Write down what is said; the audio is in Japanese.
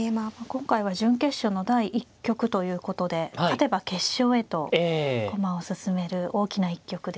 今回は準決勝の第１局ということで勝てば決勝へと駒を進める大きな一局ですね。